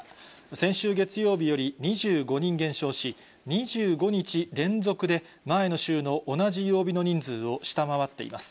先週月曜日より２５人減少し、２５日連続で、前の週の同じ曜日の人数を下回っています。